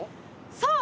そう！